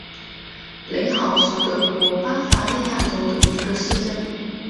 雷豪是德国巴伐利亚州的一个市镇。